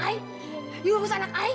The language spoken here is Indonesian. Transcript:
kamu mau menikah dengan anakku